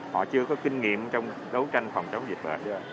họ chưa có kinh nghiệm trong đấu tranh phòng chống dịch bệnh